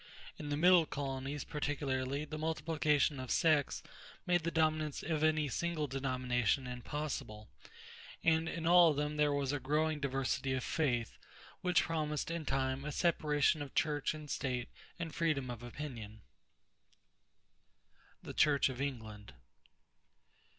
In the Middle colonies, particularly, the multiplication of sects made the dominance of any single denomination impossible; and in all of them there was a growing diversity of faith, which promised in time a separation of church and state and freedom of opinion. =The Church of England.